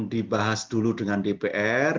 dibahas dulu dengan dpr